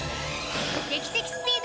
劇的スピード！